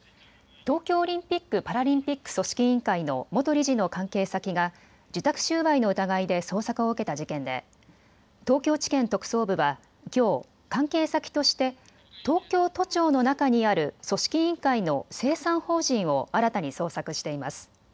東京オリンピック・パラリンピック組織委員会の元理事の関係先が受託収賄の疑いで捜索を受けた事件で東京地検特捜部はきょう関係先として東京都庁の中にある組織委員会の清算法人を新たに捜索しています。